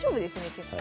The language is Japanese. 結構。